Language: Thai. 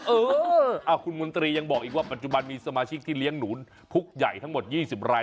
เออคุณมนตรียังบอกอีกว่าปัจจุบันมีสมาชิกที่เลี้ยงหนูพุกใหญ่ทั้งหมด๒๐ราย